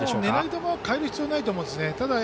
狙い球を変える必要はないと思うんですね。